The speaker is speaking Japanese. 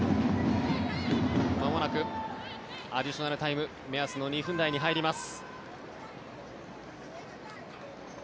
まもなくアディショナルタイム目安の２分台に入ります。